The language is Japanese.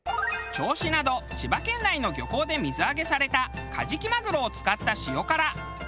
銚子など千葉県内の漁港で水揚げされたカジキマグロを使った塩辛。